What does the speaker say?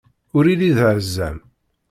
Ur illi d aɛezzam!